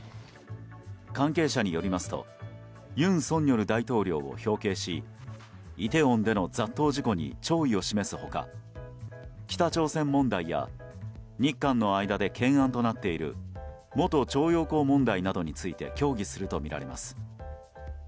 関係者によりますと尹錫悦大統領を表敬しイテウォンでの雑踏事故に弔意を示す他北朝鮮問題や日韓の間で懸案となっている元徴用工問題などについて協議するとみられます。